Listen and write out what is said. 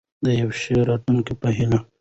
د یوې ښې راتلونکې په هیله.